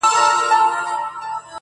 سم اتڼ یې اچولی موږکانو،